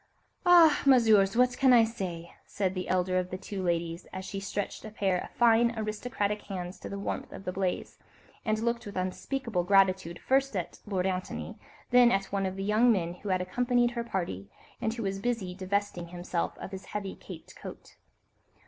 "Ah, Messieurs! what can I say?" said the elder of the two ladies, as she stretched a pair of fine, aristocratic hands to the warmth of the blaze, and looked with unspeakable gratitude first at Lord Antony, then at one of the young men who had accompanied her party, and who was busy divesting himself of his heavy, caped coat.